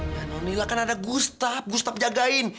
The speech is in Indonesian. ya nonila kan ada gustaf gustaf jagain